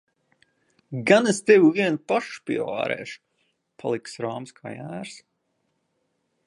Gan es tevi vienu pašu pievarēšu! Paliksi rāms kā jērs.